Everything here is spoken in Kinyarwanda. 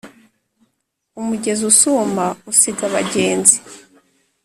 Umugezi usuma usiga abagenzi